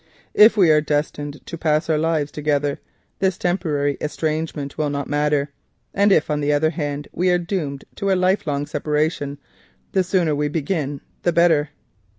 If we are destined to pass our lives together, this temporary estrangement will not matter, and if on the other hand we are doomed to a life long separation the sooner we begin the better.